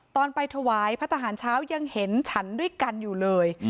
ตอนไปถวายพระทหารเช้ายังเห็นฉันด้วยกันอยู่เลย